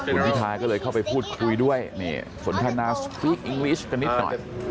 อุทิธาก็เลยเข้าไปพูดคุยด้วยสนทนาพูดอังกฤษกันนิดหน่อย